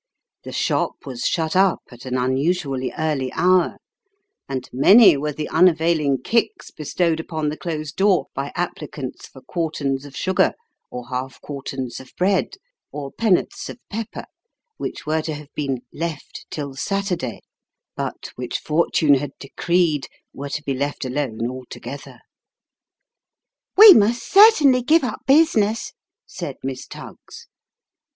The shop was shut up, at an unusually early hour ; and many were the unavailing kicks bestowed upon the closed door by applicants for quarterns of sugar, or half quarterns of bread, or penn'orths of pepper, which were to have been " left till Saturday," but which fortune had decreed were to be left alone altogether. ' We must certainly give up business," said Miss Tuggs.